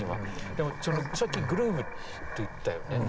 でもさっきグルーブと言ったよね。